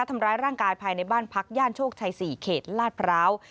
ทำร้ายร่างกายภายในบ้านพักย่านโชคชัย๔เขตลาดพร้าว